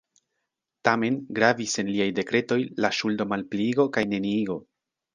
Tamen, gravis en liaj dekretoj la ŝuldo-malpliigo kaj -neniigo.